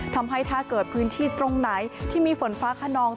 ถ้าเกิดพื้นที่ตรงไหนที่มีฝนฟ้าขนอง